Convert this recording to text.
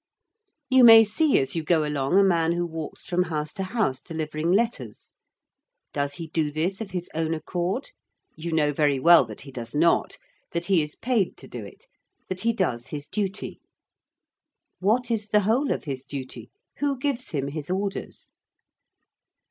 You may see as you go along a man who walks from house to house delivering letters. Does he do this of his own accord? You know very well that he does not; that he is paid to do it: that he does his duty. What is the whole of his duty? Who gives him his orders?